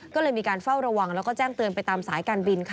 ก็เลยมีการเฝ้าระวังแล้วก็แจ้งเตือนไปตามสายการบินค่ะ